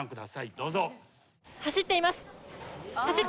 どうぞ。